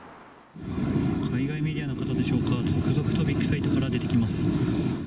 海外メディアの方でしょうか、続々とビックサイトから出てきます。